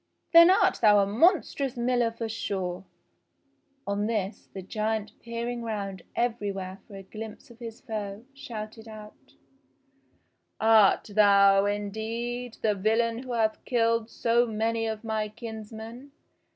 "Then art thou a monstrous miller for sure !" On this the giant peering round everywhere for a glimpse of his foe, shouted out : "Art thou, indeed, the villain who hath killed so many B 97 98 ENGLISH FAIRY TALES of my kinsmen